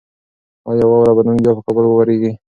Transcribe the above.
ایا واوره به نن بیا په کابل کې وورېږي؟